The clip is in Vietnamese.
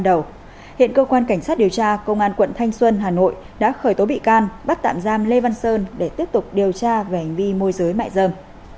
cơ quan cảnh sát điều tra công an quận thanh xuân hà nội đã khởi tố bị can bắt tạm giam lê văn sơn để tiếp tục điều tra về hành vi môi giới mại dâm